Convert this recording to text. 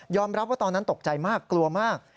รับว่าตอนนั้นตกใจมากกลัวมาก